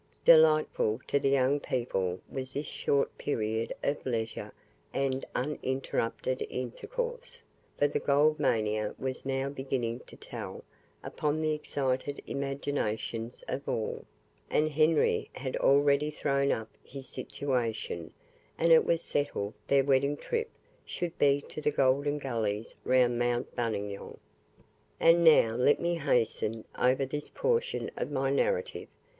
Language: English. Delightful to the young people was this short period of leisure and uninterrupted intercourse, for the gold mania was now beginning to tell upon the excited imaginations of all, and Henry had already thrown up his situation; and it was settled their wedding trip should be to the golden gullies round Mount Buninyong. And now let me hasten over this portion of my narrative.